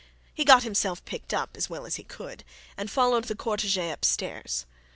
He got himself picked up as well as he could, and followed the cortege up stairs.